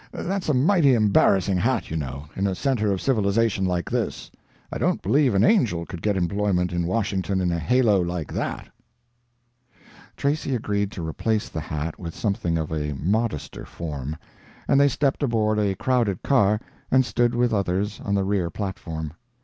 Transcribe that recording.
That's a mighty embarrassing hat, you know, in a centre of civilization like this. I don't believe an angel could get employment in Washington in a halo like that." p124.jpg (22K) Tracy agreed to replace the hat with something of a modester form, and they stepped aboard a crowded car and stood with others on the rear platform.